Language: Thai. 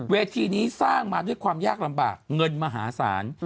เวทีนี้สร้างมาด้วยความยากลำบากเงินมหาศาล